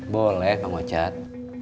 boleh pak wajad